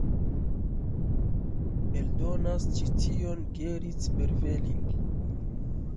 Eldonas ĉi tion Gerrit Berveling.